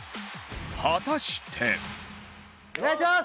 果たしてお願いします！